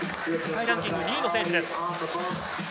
世界ランキング２位の選手です。